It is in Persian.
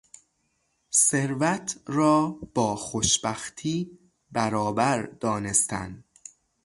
ثروت را با خوشبختی برابر دانستن